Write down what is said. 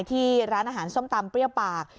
ที่ร้านอาหารส้มตำเปรี้ยวปาก